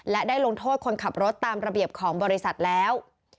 และได้ลงโทษคนขับรถตามระเบียบของบริษัทแล้ว